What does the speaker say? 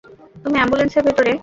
তুমি অ্যাম্বুলেন্সের ভেতরে?